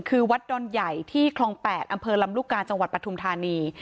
คือวัดดอนใหญ่ที่คลอง๘อำเภอลำลูกกาจังหวัดปฐุมธานี